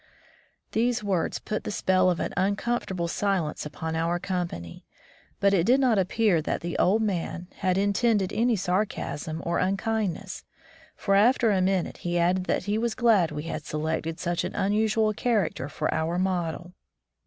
'* These words put the spell of an uncom fortable silence upon our company, but it did not appear that the old man had in tended any sarcasm or unkindness, for after a minute he added that he was glad we had selected such an unusual character for our model.